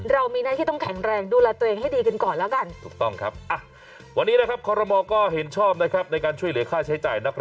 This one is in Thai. เรามีหน้าที่ต้องแข็งแรงดูแลตัวเองให้ดีกันก่อนแล้วกัน